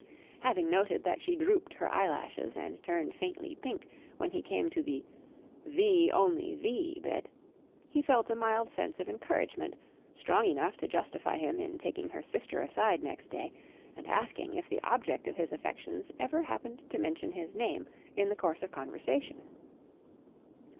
Having noted that she drooped her eyelashes and turned faintly pink when he came to the "Thee—only thee!" bit, he felt a mild sense of encouragement, strong enough to justify him in taking her sister aside next day and asking if the object of his affections ever happened to mention his name in the course of conversation.